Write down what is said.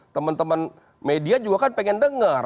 teman teman media juga kan pengen dengar